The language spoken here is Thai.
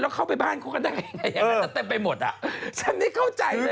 แล้วเข้าไปบ้านเขาก็ได้อะไรอย่างนั้นแต่เต็มไปหมดอ่ะฉันไม่เข้าใจเลย